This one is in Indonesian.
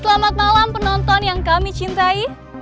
selamat malam penonton yang kami cintai